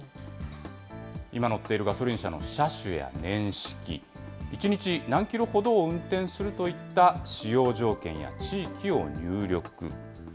今乗っているガソリン車の車種や年式、１日何キロほどを運転するといった使用条件や地域を入力。